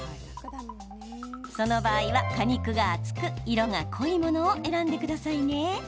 その場合は、果肉が厚く色が濃いものを選んでくださいね。